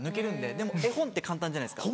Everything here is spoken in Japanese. でも絵本って簡単じゃないですか。